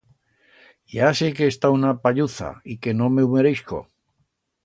Ya sé que he estau una palluza y que no me hu mereixco.